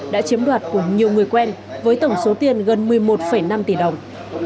đã chiếm đoạt của nhiều người quen với tổng số tiền gần một mươi một năm tỷ đồng